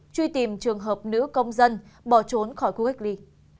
truy tìm trường hợp nữ công dân bỏ trốn khỏi khu cách ly